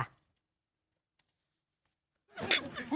ผู้ใหญ่ยังนิ่ง